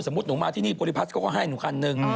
สมมติหนุอมาที่นี่บริพัฏก็ให้หนุขันนึง